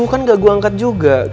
bukan gak gue angkat juga